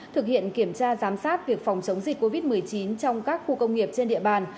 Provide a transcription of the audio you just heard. thực hiện kiểm tra giám sát việc phòng chống dịch covid một mươi chín trong các khu công nghiệp trên địa bàn